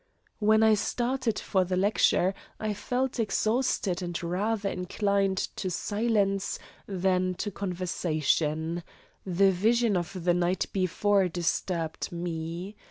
When I started for the lecture I felt exhausted and rather inclined to silence than to conversation; the vision of the night before disturbed me.